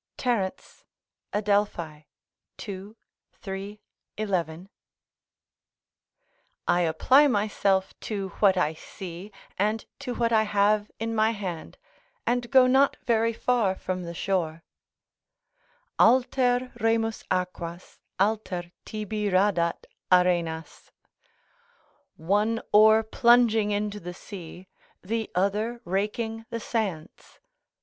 Terence, Adelphi, ii. 3, 11.] I apply myself to what I see and to what I have in my hand, and go not very far from the shore, "Alter remus aquas, alter tibi radat arenas:" ["One oar plunging into the sea, the other raking the sands."